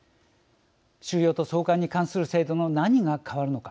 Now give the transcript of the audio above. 収容と送還に関する制度の何が変わるのか。